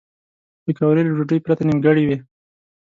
پکورې له ډوډۍ پرته نیمګړې وي